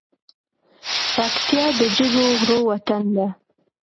پکتیا د جګو غرو وطن ده .